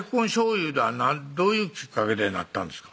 言うたんはどういうきっかけでなったんですか？